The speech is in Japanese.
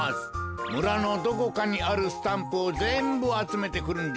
むらのどこかにあるスタンプをぜんぶあつめてくるんじゃ。